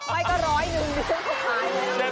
ไม่ก็ร้อยหนึ่งนึงเขาขายเลยนะ